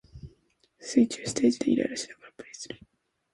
水中ステージでイライラしながらプレイする